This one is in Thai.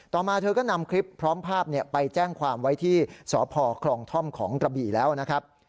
มาเธอก็นำคลิปพร้อมภาพไปแจ้งความไว้ที่สพคลองท่อมของกระบี่แล้วนะครับ